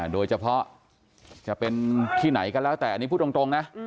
โดยเฉพาะจะเป็นที่ไหนก็แล้วแต่อันนี้พูดตรงนะ